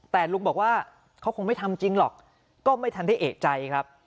แต่ลุงบอกว่าเขาคงไม่ทำจริงหรอกก็ไม่ทันได้เอกใจครับ